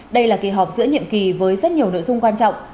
đây là kỳ họp giữa nhiệm kỳ với rất nhiều nội dung quan trọng